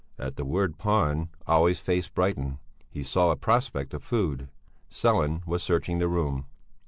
At the word pawn Olle's face brightened; he saw a prospect of food. Sellén was searching the room.